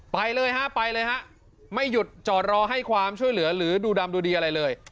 ไปเลยฮะไปเลยฮะไม่หยุดจอดรอให้ความช่วยเหลือหรือดูดำดูดีอะไรเลย